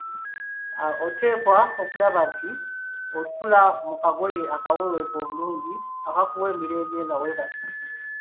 Oteekwa okulaba nti osula mu kagoye akaweweevu obulungi akakuwa emirembe nga weebase.